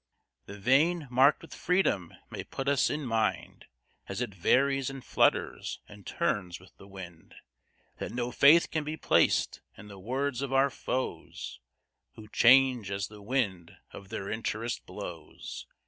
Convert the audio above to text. The vane, mark'd with freedom, may put us in mind, As it varies, and flutters, and turns, with the wind, That no faith can be plac'd in the words of our foes, Who change as the wind of their interest blows.